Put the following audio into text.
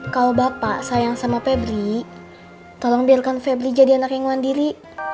kalau bapak sayang sama febri tolong biarkan febri jadi anak yang mandiri